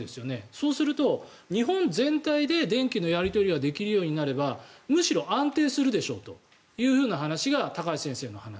そうすると日本全体で電気のやり取りができるようになればむしろ安定するでしょうという話が高橋先生のお話。